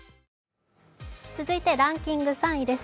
続いてはランキング３位です。